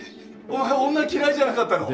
お前女嫌いじゃなかったの？